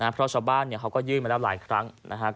เพราะชาวบ้านเขาก็ยื่นมาแล้วหลายครั้งนะครับ